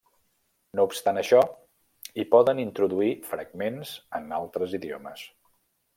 No obstant això, hi poden introduir fragments en altres idiomes.